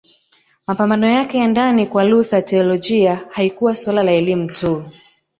Mapambano yake ya ndani Kwa Luther teolojia haikuwa suala la elimu tu